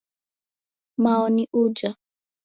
Mao ni uja